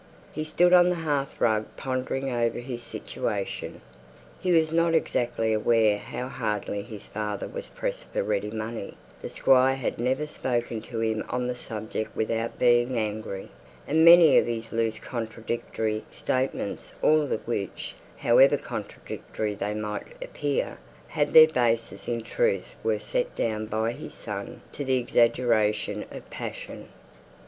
He stood on the hearth rug pondering over his situation. He was not exactly aware how hardly his father was pressed for ready money; the Squire had never spoken to him on the subject without being angry; and many of his loose contradictory statements all of which, however contradictory they might appear, had their basis in truth were set down by his son to the exaggeration of passion.